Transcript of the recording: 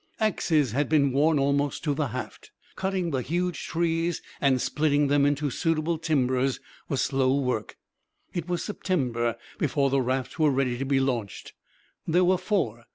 Axes had been worn almost to the haft. Cutting the huge trees and splitting them into suitable timbers was slow work. It was September before the rafts were ready to be launched. There were four.